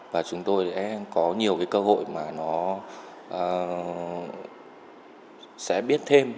và chúng tôi sẽ có nhiều cơ hội mà nó sẽ biết thêm